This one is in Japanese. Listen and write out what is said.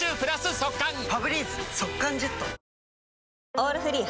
「オールフリー」